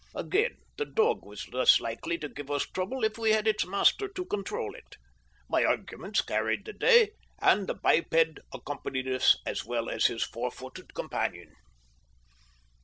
Again, the dog was less likely to give us trouble if we had its master to control it. My arguments carried the day, and the biped accompanied us as well as his four footed companion.